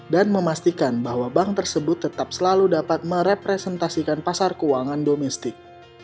dan memastikan bahwa bank tersebut tetap selalu dapat merepresentasikan pasar keuangan domestik